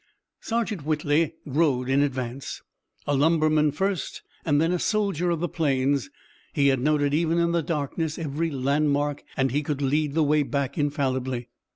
Sergeant Whitley rode in advance. A lumberman first and then a soldier of the plains, he had noted even in the darkness every landmark and he could lead the way back infallibly.